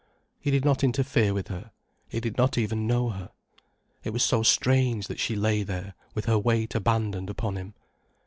He did not interfere with her. He did not even know her. It was so strange that she lay there with her weight abandoned upon him.